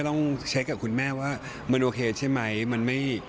ต้องเช็คกับคุณแม่ว่ามันโอเคใช่ไหม